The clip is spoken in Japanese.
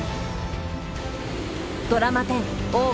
ドラマ１０「大奥」